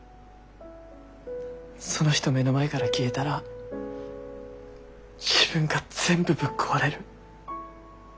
その人目の前から消えたら自分が全部ぶっ壊れる。